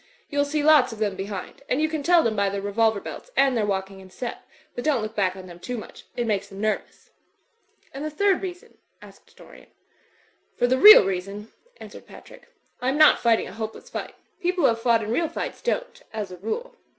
You'll see lots of them behind; and you can tell them by their revolver belts and their walking in step; but don't look back on them too much. It makes them nervous." "And the third reason?" asked Dorian. *Tor the real reason," answered Patrick, "I am not fighting a hopeless fight. People who have fought in real fights don't, as a rule.